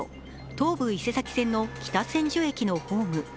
東武伊勢崎線の北千住駅のホーム。